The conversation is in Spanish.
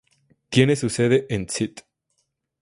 Tiene su sede en St.